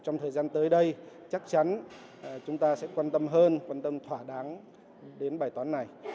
trong thời gian tới đây chắc chắn chúng ta sẽ quan tâm hơn quan tâm thỏa đáng đến bài toán này